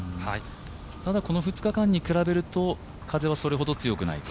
この２日間に比べると風はそれほど強くないと。